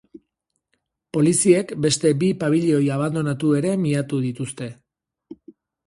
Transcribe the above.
Poliziek beste bi pabilioi abandonatu ere miatu dituzte.